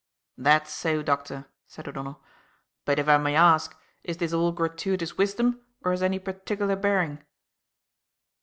"That's so, doctor," said O'Donnell. "But, if I may ask, is this all gratuitous wisdom or has any particular bearing?"